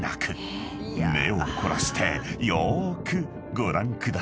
［目を凝らしてよーくご覧ください］